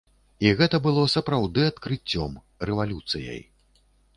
І гэта было сапраўды адкрыццём, рэвалюцыяй.